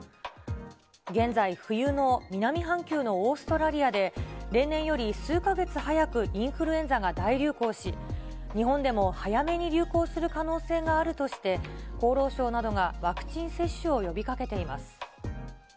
現在、冬の南半球のオーストラリアで、例年より数か月早くインフルエンザが大流行し、日本でも早めに流行する可能性があるとして、厚労省などがワクチン接種を呼びかけています。